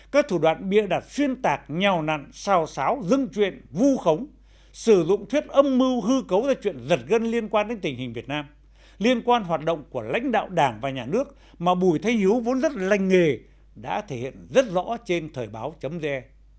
các thủ đoạn bịa đặt xuyên tạc nhào nặn xào xáo dưng chuyện vu khống sử dụng thuyết âm mưu hư cấu ra chuyện giật gân liên quan đến tình hình việt nam liên quan hoạt động của lãnh đạo đảng và nhà nước mà bùi thanh hiếu vốn rất lành nghề đã thể hiện rất rõ trên thời báo ge